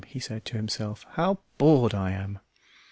he said to himself, "how bored I am!"